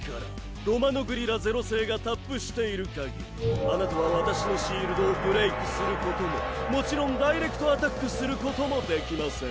ロマノグリラ０世がタップしているかぎりあなたは私のシールドをブレイクすることももちろんダイレクトアタックすることもできません。